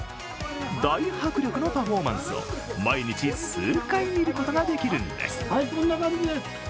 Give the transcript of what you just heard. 大迫力のパフォーマンスを毎日数回見ることができるんです。